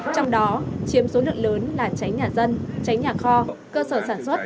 trong đó chiếm số lượng lớn là cháy nhà dân tránh nhà kho cơ sở sản xuất